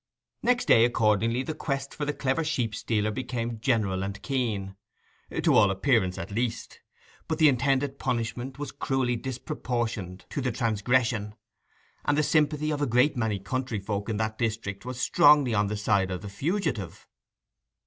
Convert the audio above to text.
Next day, accordingly, the quest for the clever sheep stealer became general and keen, to all appearance at least. But the intended punishment was cruelly disproportioned to the transgression, and the sympathy of a great many country folk in that district was strongly on the side of the fugitive.